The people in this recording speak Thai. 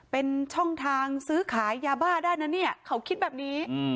เป็นช่องทางซื้อขายยาบ้าได้นะเนี่ยเขาคิดแบบนี้